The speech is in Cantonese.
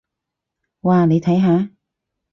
哇，你睇下！